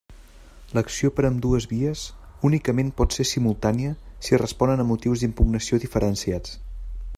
L'acció per ambdues vies únicament pot ser simultània si responen a motius d'impugnació diferenciats.